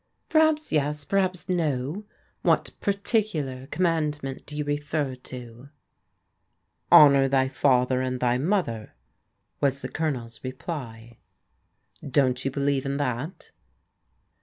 " Perhaps yes, perhaps no. What particular conmiand ment do you refer to ?""' Honour thy father and thy mother,' " was the Colo nel's reply. " Don't you believe in that?